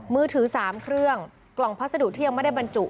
มือถือ๓เครื่องกล่องพัสดุที่ยังไม่ได้บรรจุ